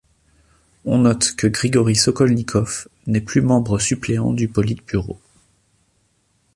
On note que Grigori Sokolnikov n'est plus membre suppléant du Politburo.